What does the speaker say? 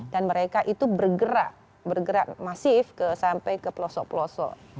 dan mereka itu bergerak bergerak masif sampai ke pelosok pelosok